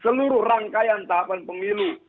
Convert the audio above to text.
seluruh rangkaian tahapan pemilu